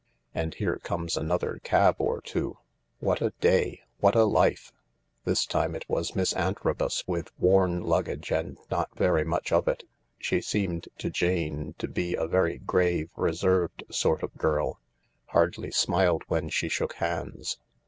And here comes another cab or two. What a day I What a life !" This time it was Miss Antrobus, with worn luggage and not very much of it. She seemed to Jane to be a very grave, reserved sort of girl ; hardly smiled when she shook hands.